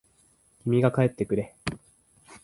君が帰ってくれ。